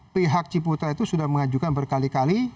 pihak ciputra itu sudah mengajukan berkali kali